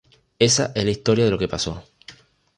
Esa es la historia de lo que pasó.